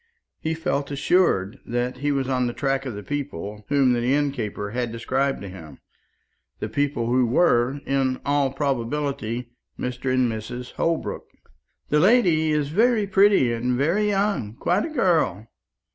He felt assured that he was on the track of the people whom the innkeeper had described to him; the people who were, in all probability, Mr. and Mrs. Holbrook. "The lady is very pretty and very young quite a girl.